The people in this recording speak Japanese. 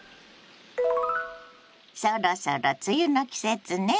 そろそろ梅雨の季節ね。